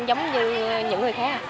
giống như những người khác